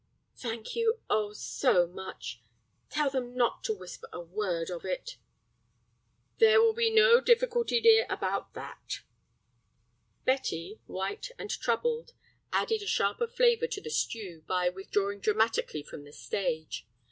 "Thank you, oh, so much. Tell them not to whisper a word of it." "There will be no difficulty, dear, about that." Betty, white and troubled, added a sharper flavor to the stew by withdrawing dramatically from the stage.